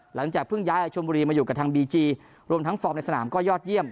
หลังจากเพิ่งย้ายชนบุรีมาอยู่กับทางบีจีรวมทั้งฟอร์มในสนามก็ยอดเยี่ยม